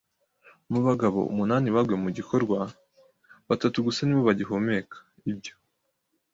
Mu bagabo umunani baguye mu gikorwa, batatu gusa ni bo bagihumeka - ibyo